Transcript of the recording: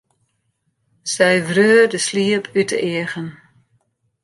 Sy wreau har de sliep út de eagen.